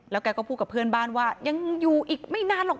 แกก็พูดกับเพื่อนบ้านว่ายังอยู่อีกไม่นานหรอก